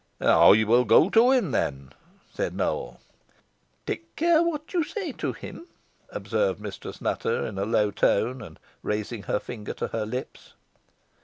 "I will go to him, then," said Nowell. "Take care what you say to him," observed Mistress Nutter, in a low tone, and raising her finger to her lips.